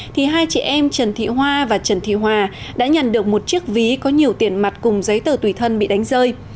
thì hai chị em trần thị hoa và trần thị hòa đã nhận được một chiếc ví có nhiều tiền mặt cùng giấy tờ tùy thân bị đánh rơi